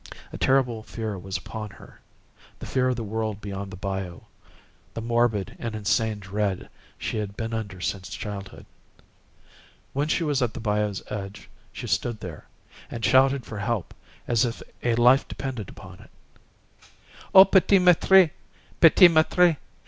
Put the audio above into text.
A terrible fear was upon her,—the fear of the world beyond the bayou, the morbid and insane dread she had been under since childhood. When she was at the bayou's edge she stood there, and shouted for help as if a life depended upon it:— "Oh, P'tit Maître! P'tit Maître!